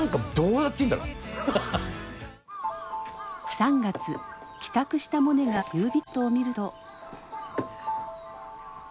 ３月帰宅したモネが郵便ポストを見ると。